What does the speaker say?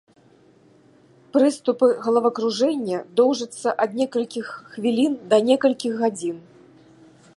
Прыступы галавакружэння доўжацца ад некалькіх хвілін да некалькіх гадзін.